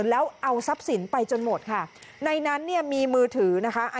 แล้วเอาทรัพย์สินไปจนหมดค่ะในนั้นเนี่ยมีมือถือนะคะ